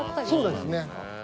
そうですね。